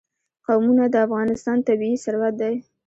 قومونه د افغانستان طبعي ثروت دی.